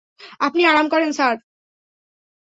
আপনি আরাম করেন, স্যার।